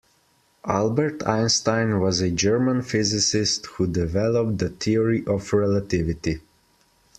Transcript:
Albert Einstein was a German physicist who developed the Theory of Relativity.